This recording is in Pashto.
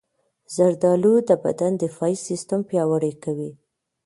زردالو د بدن دفاعي سیستم پیاوړی کوي.